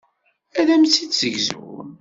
Ad am-tt-id-ssegzun.